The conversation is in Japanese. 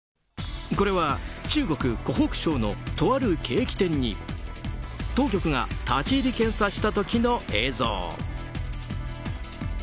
これは中国・湖北省のとあるケーキ店に当局が立ち入り検査した時の映像。